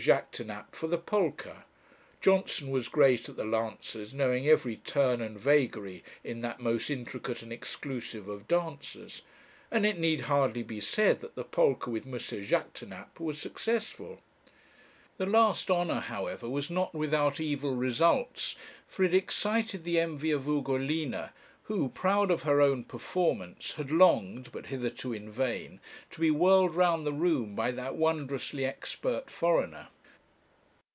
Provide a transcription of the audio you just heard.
Jaquêtanàpe for the polka. Johnson was great at the lancers, knowing every turn and vagary in that most intricate and exclusive of dances; and it need hardly be said that the polka with M. Jaquêtanàpe was successful. The last honour, however, was not without evil results, for it excited the envy of Ugolina, who, proud of her own performance, had longed, but hitherto in vain, to be whirled round the room by that wondrously expert foreigner.